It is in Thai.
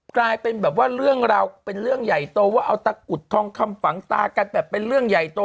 กลายเป็นแบบว่าเรื่องราวเป็นเรื่องใหญ่โตว่าเอาตะกุดทองคำฝังตากันแบบเป็นเรื่องใหญ่โต